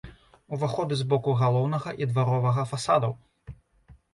Уваходы з боку галоўнага і дваровага фасадаў.